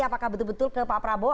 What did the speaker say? apakah betul betul ke pak prabowo